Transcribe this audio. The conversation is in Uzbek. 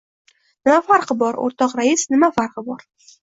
— Nima farqi bor, o‘rtoq rais, nima farqi bor?